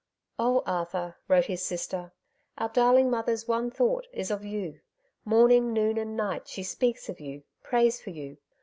'^ Oh, Arthur !'^ wrote his sister, '^ our darling mother's one thought is of you. Morning, noon, and night she speaks of you, prays for you.